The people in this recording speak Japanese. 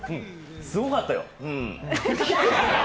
すごかったよ、うん。